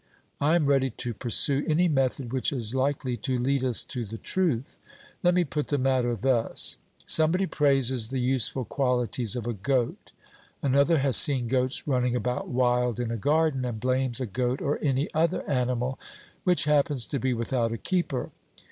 'I am ready to pursue any method which is likely to lead us to the truth.' Let me put the matter thus: Somebody praises the useful qualities of a goat; another has seen goats running about wild in a garden, and blames a goat or any other animal which happens to be without a keeper.